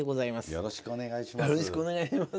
よろしくお願いします。